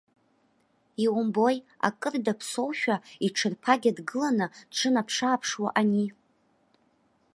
Иумбои, акыр даԥсоушәа, иҽырԥагьа дгыланы дшынаԥшы-ааԥшуа ани.